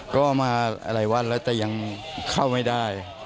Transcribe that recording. ก็มาหลายวันแล้วแต่ยังเข้าไม่ได้